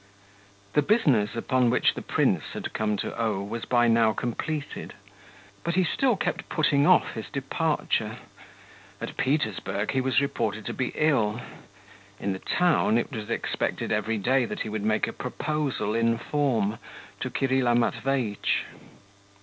The business upon which the prince had come to O was by now completed. But he still kept putting off his departure. At Petersburg, he was reported to be ill. In the town, it was expected every day that he would make a proposal in form to Kirilla Matveitch.